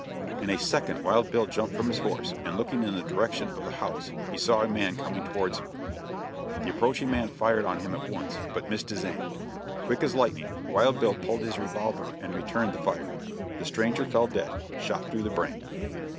In a second Wild Bill jumped from his horse, and looking in the direction of the house he saw a man coming towards him. The approaching man fired on him at once, but missed his aim. Quick as lightning Wild Bill pulled his revolver and returned the fire. The stranger fell dead, shot through the brain.